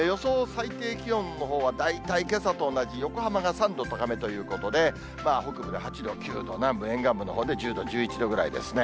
最低気温のほうは大体けさと同じ、横浜が３度高めということで、北部で８度、９度、南部、沿岸部のほうで１０度、１１度ぐらいですね。